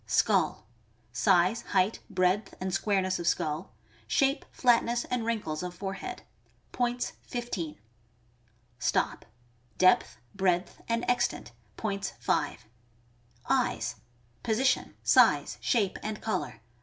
Skull. — Size, height, breadth, and squareness of skull, shape, flatness, and wrinkles of forehead. Points, 15. Stop.— Depth, breadth, and extent. Points, 5. Eyes. — Position, size, shape, and color.